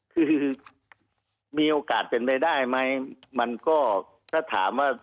คือมีโอกาสเป็นไปได้ไหมมันก็ถ้าถามว่า